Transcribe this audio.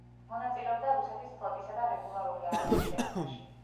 მონაწილეობდა რუსეთის ფლოტისა და რეგულარული არმიის შექმნაში.